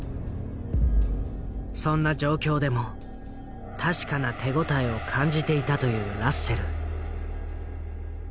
そんな状況でも確かな手応えを感じていたというラッセル。